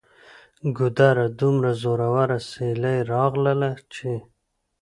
ګودره! دومره زوروره سیلۍ راغلله چې